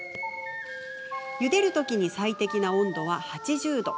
ゆでるときに最適な温度は８０度。